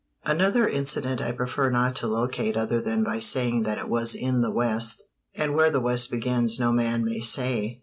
_" Another incident I prefer not to locate other than by saying that it was in the West and where the West begins no man may say.